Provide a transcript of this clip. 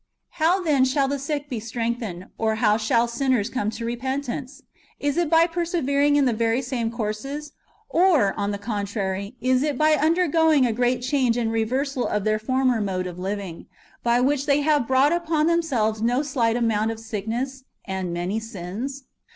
^ How then shall the sick be strengthened, or how shall sinners come to repentance ? Is it by perse vering in the very same courses ? or, on the contrary, is it by undergoing a great change and reversal of their former 1 Luke V. 31, 32. 268 IUENjEVB AGAINST HERESIES. [Book iii. mode of living, by wliich they have brought Tipon them selves no slight amount of sickness, and many sins